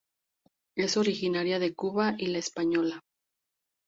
Es originaria de Cuba y La Española.